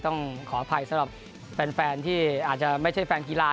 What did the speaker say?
ต้องขออภัยสำหรับแฟนที่อาจจะไม่ใช่แฟนกีฬา